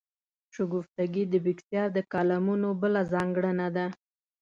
شګفتګي د بېکسیار د کالمونو بله ځانګړنه ده.